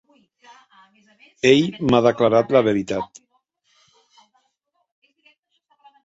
Ell m'ha declarat la veritat.